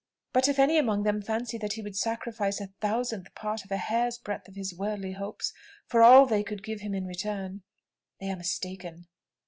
But if any among them fancy that he would sacrifice the thousandth part of a hair's breadth of his worldly hopes for all they could give him in return they are mistaken."